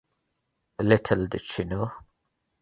Little did she know.